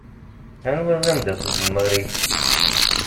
Anwa d amdakel n Marie?